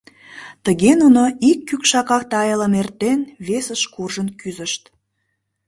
Тыге нуно, ик кӱкшака тайылым эртен, весыш куржын кӱзышт.